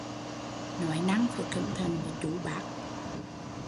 Nói năng phải cẩn thận với chú bác